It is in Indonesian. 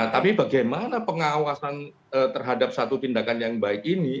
tapi bagaimana pengawasan terhadap satu tindakan yang baik ini